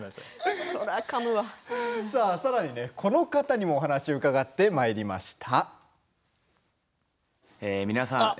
さらにこの方にもお話を伺ってきました。